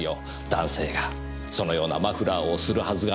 男性がそのようなマフラーをするはずがない。